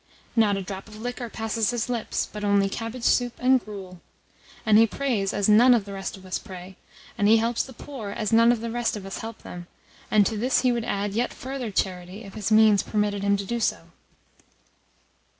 Not a drop of liquor passes his lips, but only cabbage soup and gruel. And he prays as none of the rest of us pray, and he helps the poor as none of the rest of us help them; and to this he would add yet further charity if his means permitted him to do so."